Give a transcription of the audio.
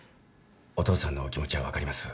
お父さんのお気持ちは分かります。